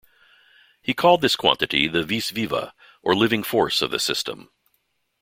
He called this quantity the "vis viva" or "living force" of the system.